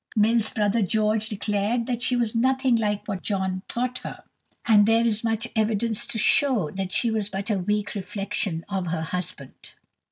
Mill's brother George declared that she was "nothing like what John thought her," and there is much evidence to show that she was but a weak reflection of her husband.